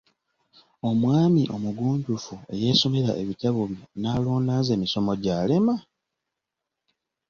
Omwami omugunjufu eyeesomera ebitabo bye n'alonda nze misomogyalema!